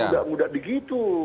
maksudnya tidak mudah begitu